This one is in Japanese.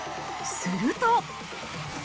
すると。